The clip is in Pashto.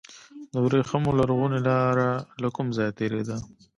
د وریښمو لرغونې لاره له کوم ځای تیریده؟